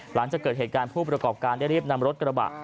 หลังจากเกิดเหตุการณ์ผู้ประกอบการได้รีบนำรถกระบะ